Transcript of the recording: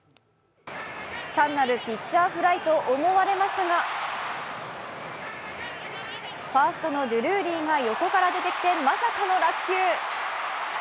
単なるピッチャーフライと思われましたが、ファーストのドゥルーリーが横から出てきてまさかの落球。